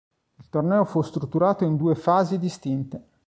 Il torneo fu strutturato in due fasi distinte.